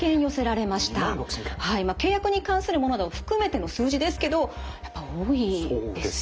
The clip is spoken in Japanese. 契約に関するものなど含めての数字ですけどやっぱ多いですよね。